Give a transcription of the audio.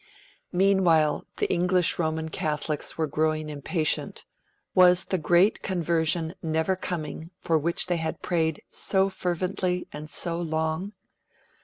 Meanwhile, the English Roman Catholics were growing impatient; was the great conversion never coming, for which they had prayed so fervently and so long?